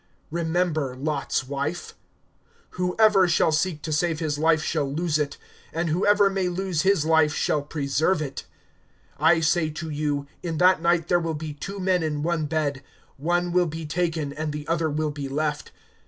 (32)Remember Lot's wife. (33)Whoever shall seek to save his life shall lose it; and whoever may lose his life shall preserve it. (34)I say to you, in that night there will be two men in one bed; one will be taken, and the other will be left.